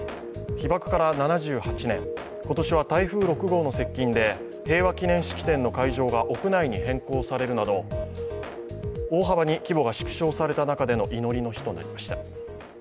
被爆から７８年、今年は台風６号の接近で平和祈念式典の会場が屋内に変更されるなど大幅に規模が縮小された中での祈りの日となりました。